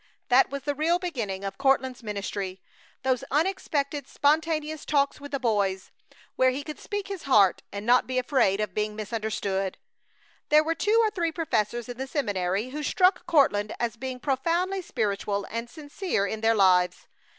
That was the real beginning of Courtland's ministry, those unexpected, spontaneous talks with the boys, where he could speak his heart and not be afraid of being misunderstood. There were two or three professors in the seminary who struck Courtland as being profoundly spiritual and sincere in their lives.